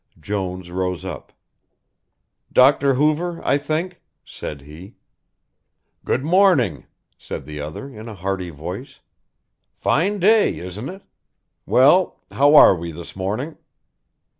Jones rose up. "Dr. Hoover, I think," said he. "Good morning," said the other in a hearty voice. "Fine day, isn't it? Well, how are we this morning?"